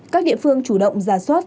các địa phương chủ động ra soát